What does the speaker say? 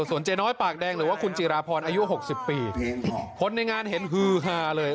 ส่วนเจ๊น้อยปากแดงหรือว่าคุณจิราพรอายุหกสิบปีคนในงานเห็นฮือฮาเลย